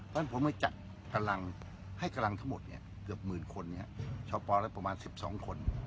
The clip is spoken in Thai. เพราะฉะนั้นผมไปจัดกำลังให้กำลังทั้งหมดเกือบหมื่นคนชปแล้วประมาณ๑๒คน